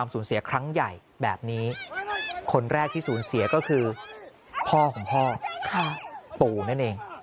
ปูนั่นเอง